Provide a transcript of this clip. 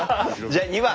じゃあ２番。